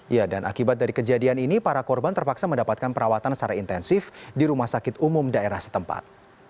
ya dan akibat dari kejadian ini para korban terpaksa mendapatkan perawatan secara intensif di rumah sakit umum daerah setempat